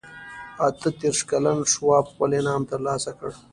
اته دېرش کلن شواب خپل انعام ترلاسه کړ